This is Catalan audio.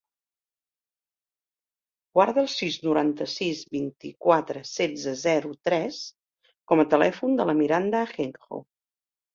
Guarda el sis, noranta-sis, vint-i-quatre, setze, zero, tres com a telèfon de la Miranda Ajenjo.